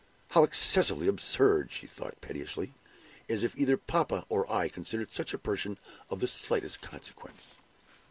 "How excessively absurd!" she thought, pettishly. "As if either papa or I considered such a person of the slightest consequence!"